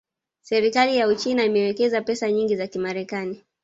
Serikali ya Uchina imewekeza pesa nyingi za Kimarekani